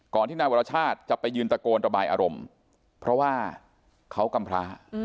ที่นายวรชาติจะไปยืนตะโกนระบายอารมณ์เพราะว่าเขากำพร้า